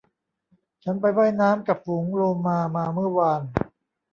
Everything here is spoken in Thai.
ฉันไปว่ายน้ำกับฝูงโลมามาเมื่อวาน